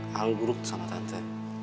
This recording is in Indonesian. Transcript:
hal buruk sama tante